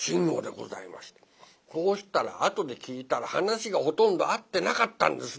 そうしたらあとで聞いたら話がほとんど合ってなかったんですね。